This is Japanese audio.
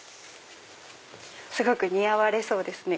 すごく似合われそうですね